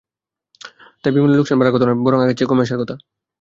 তাই বিমানের লোকসান বাড়ার কথা নয়, বরং আগের চেয়ে কমে আসার কথা।